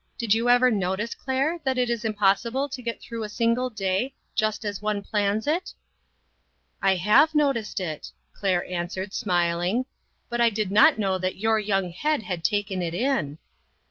Did you never notice, Claire, that it is impossible to get through a single day just as one plans it ?" "I have noticed it," Claire answered, smil ing, " but I did not know that your young head had taken it in."